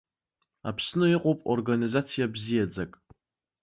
Аԥсны иҟоуп организациа бзиаӡак.